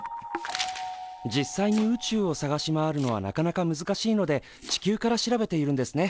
実際に宇宙を探し回るのはなかなか難しいので地球から調べているんですね。